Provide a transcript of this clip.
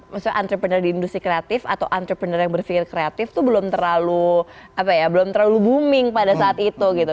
maksudnya entrepreneur di industri kreatif atau entrepreneur yang berpikir kreatif tuh belum terlalu booming pada saat itu gitu